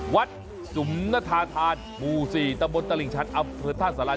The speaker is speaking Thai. วัดสุมณฑาธานบูศีตะบนตะลิงชันอับเผือท่าสลาน